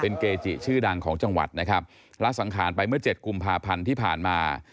เป็นเกจิชื่อดังของจังหวัดนะครับละสังขารไปเมื่อเจ็ดกุมภาพันธ์ที่ผ่านมา